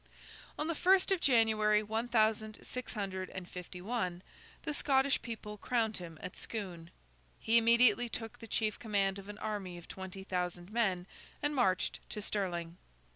On the first of January, one thousand six hundred and fifty one, the Scottish people crowned him at Scone. He immediately took the chief command of an army of twenty thousand men, and marched to Stirling.